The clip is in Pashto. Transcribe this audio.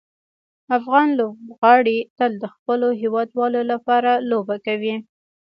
افغان لوبغاړي تل د خپلو هیوادوالو لپاره لوبه کوي.